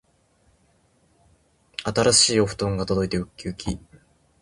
新しいお布団が届いてうっきうき